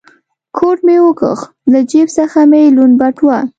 کوټ مې و کښ، له جېب څخه مې لوند بټوه.